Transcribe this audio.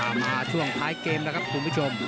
มาช่วงท้ายเกมแล้วครับคุณผู้ชม